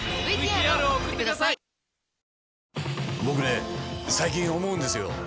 僕ね最近思うんですよ。